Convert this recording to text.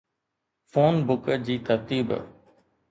phone book جي ترتيب